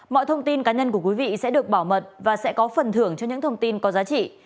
mọi thông tin cá nhân của quý vị sẽ được bảo mật và sẽ có phần thưởng cho những thông tin có giá trị